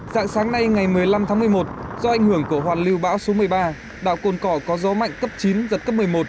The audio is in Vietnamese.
dạng sáng nay ngày một mươi năm tháng một mươi một do ảnh hưởng của hoàn lưu bão số một mươi ba đảo cồn cỏ có gió mạnh cấp chín giật cấp một mươi một